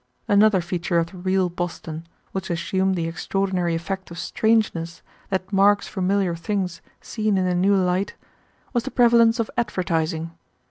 Another feature of the real Boston, which assumed the extraordinary effect of strangeness that marks familiar things seen in a new light, was the prevalence of advertising.